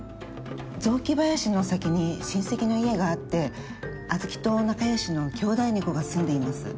雑木林の先に親戚の家があってあずきと仲良しの兄弟ネコがすんでいます